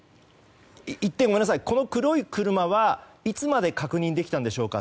１点、この黒い車はいつまで確認できたんですか